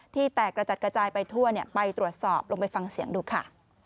แตกกระจัดกระจายไปทั่วไปตรวจสอบลองไปฟังเสียงดูค่ะ